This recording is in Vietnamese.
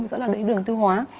rất là đầy đường tiêu hóa